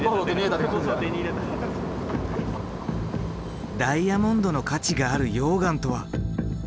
ダイヤモンドの価値がある溶岩とは？